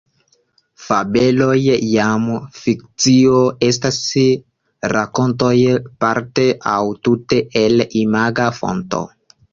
Fabeloj kaj fikcio estas rakontoj parte aŭ tute el imaga fonto.